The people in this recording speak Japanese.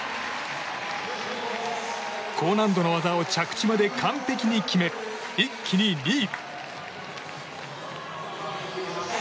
高難度の技を着地まで完璧に決め一気に２位。